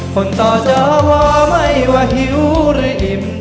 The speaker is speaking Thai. คนต่อเจอบอกไม่ว่าหิวหรืออิ่ม